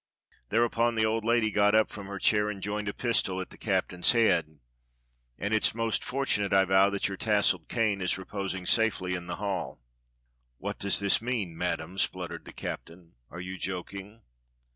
Thereupon the old lady got up from her chair and pointed a pistol at the captain's head. "And it's most fortunate, I vow, that your tasselled cane is reposing safely in the hall." "^Vhat does this mean. Madam?" spluttered the captain. "Are you joking?